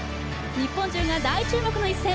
日本中が大注目の一戦。